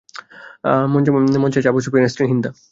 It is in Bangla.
মঞ্চে আসে আবু সুফিয়ানের স্ত্রী হিন্দা।